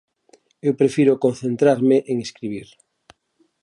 Eu prefiro concentrarme en escribir.